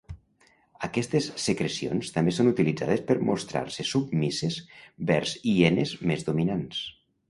Aquestes secrecions també són utilitzades per mostrar-se submises vers hienes més dominants.